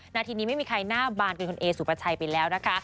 นาทีนี้ไม่มีใครหน้าบานเกินคุณเอสุปชัยไปแล้วนะคะ